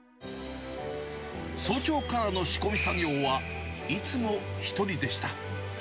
早朝からの仕込み作業は、いつも１人でした。